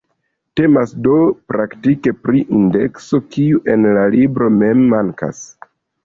Temas do praktike pri indekso, kiu en la libro mem mankas.